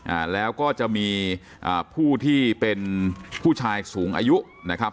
อ่าแล้วก็จะมีอ่าผู้ที่เป็นผู้ชายสูงอายุนะครับ